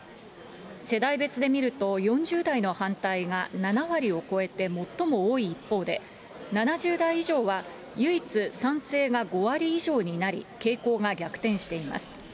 世代別で見ると４０代の反対が７割を超えて最も多い一方で、７０代以上は唯一、賛成が５割以上になり、傾向が逆転しています。